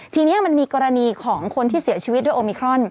ทีนี้มันมีกรณีของคนที่เสียชีวิตด้วยโอมิครอน